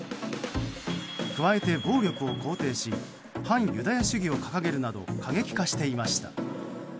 加えて暴力を肯定し反ユダヤ主義を掲げるなど過激化していました。